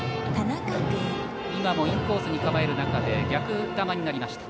今もインコースに構える中で逆球になりました。